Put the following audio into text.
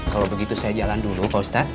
kalau begitu saya jalan dulu pak ustadz